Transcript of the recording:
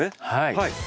はい。